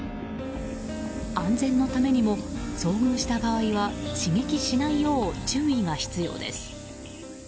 安全のためにも遭遇した場合は刺激しないよう注意が必要です。